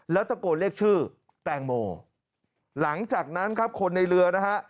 แล้วตะโกนเรียกชื่อแตงโมหลังจากนั้นครับคนในเรือนะฮะ